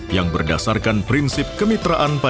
yang berdasarkan prinsip kemitraan pada umkm syariah